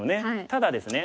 ただですね